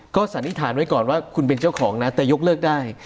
ก็สันนิษฐานไว้ก่อนว่าคุณเป็นเจ้าของนะแต่ยกเลิกได้